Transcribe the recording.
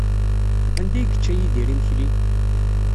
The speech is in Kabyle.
Anda ay yečča Yidir imekli?